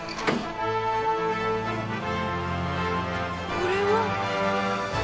これは。